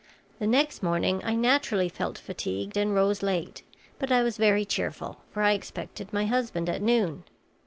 The next morning I naturally felt fatigued and rose late; but I was very cheerful, for I expected my husband at noon.